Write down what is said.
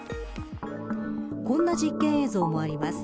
こんな実験映像もあります。